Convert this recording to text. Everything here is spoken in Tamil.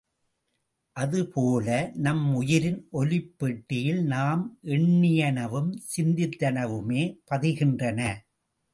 அது போல நம் உயிரின் ஒலிப் பெட்டியில் நாம் எண்ணியனவும் சிந்தித்தனவுமே பதிகின்றன.